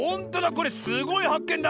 これすごいはっけんだ！